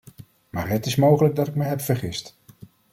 Maar het is mogelijk dat ik me heb vergist.